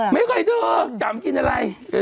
ไม่เคยเลือกอยากกินอะไร